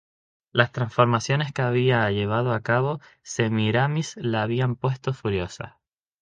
Las transformaciones que había llevado a cabo Semíramis la habían puesto furiosa.